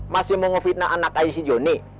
masih mau ngefitnah anak ayo si joni